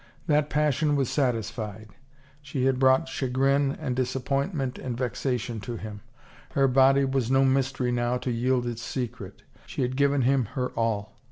That passion was sat isfied She had brought chagrin and disappointment and vexation to him. Her body was no mystery now to yield its secret. She had given him her all.